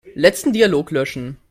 Letzten Dialog löschen.